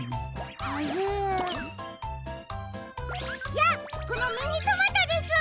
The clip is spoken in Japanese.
じゃあこのミニトマトです。